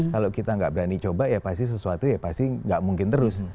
kalau kita nggak berani coba ya pasti sesuatu ya pasti nggak mungkin terus